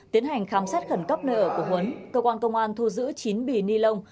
tiến hành khám xét khẩn cấp nơi ở của huấn cơ quan công an thu giữ chín bị ni lông